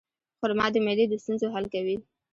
خرما د معدې د ستونزو حل کوي.